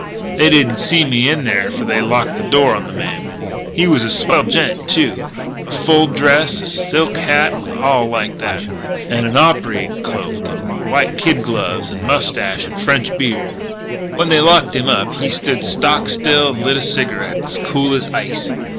"They didn't see me in there for they locked the door on the man. He was a swell gent, too, in full dress and silk hat and all like that, and a opry cloak and white kid gloves, and mustache and French beard. "When they locked him up he stood stock still and lit a cigarette, as cool as ice.